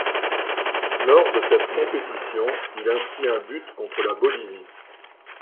Lors de cette compétition, il inscrit un but contre la Bolivie.